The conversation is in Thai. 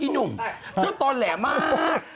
อีหนุ่มเธอตอแหลมาก